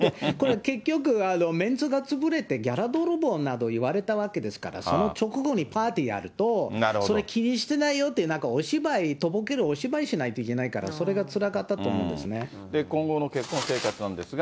結局、メンツが潰れてギャラ泥棒などいわれたわけですから、その直後にパーティーやると、それ気にしてないよって、お芝居、とぼけるお芝居しないといけないからそれがつらかったと思うんで今後の結婚生活なんですが。